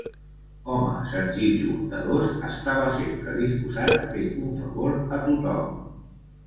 Home senzill i bondadós, estava sempre disposat a fer un favor a tothom.